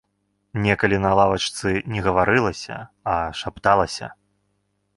Некалі на лавачцы не гаварылася, а шапталася.